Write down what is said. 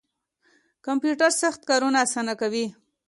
کمپیوټر سخت کارونه اسانه کوي